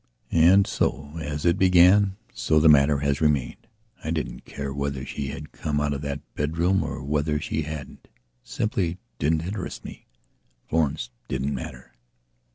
And, as it began, so that matter has remained. I didn't care whether she had come out of that bedroom or whether she hadn't. It simply didn't interest me. Florence didn't matter.